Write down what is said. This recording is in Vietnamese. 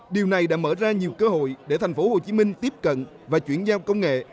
điều này đã mở ra nhiều cơ hội để tp hcm tiếp cận và chuyển giao công nghệ